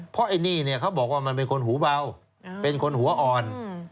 เพราะไอ้นี่เนี่ยเขาบอกว่ามันเป็นคนหูเบาเป็นคนหัวอ่อน